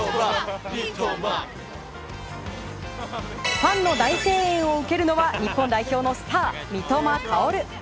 ファンの大声援を受けるのは日本代表のスター三笘薫。